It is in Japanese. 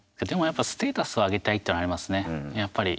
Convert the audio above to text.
ステータスを上げたいっていうのはありますね。